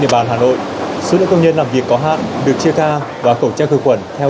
địa bàn hà nội số lượng công nhân làm việc có hạn được chia ca và khẩu trang khử khuẩn theo